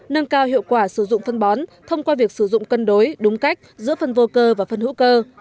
nâng cao hiệu quả sử dụng phân bón thông qua việc sử dụng cân đối đúng cách giữa phân vô cơ và phân hữu cơ